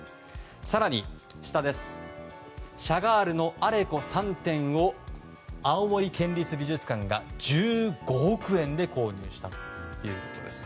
更に、シャガールの「アレコ」３点を青森県立美術館が１５億円で購入したということです。